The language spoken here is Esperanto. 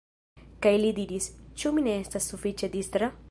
Kaj li diris: "Ĉu mi ne estas sufiĉe distra?